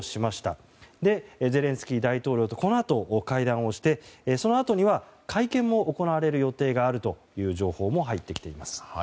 そして、ゼレンスキー大統領とこのあと会談をしてそのあとには会見も行われる予定があるという情報も入ってきています。